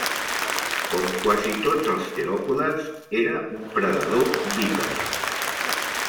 Com quasi tots els teròpodes, era un predador bípede.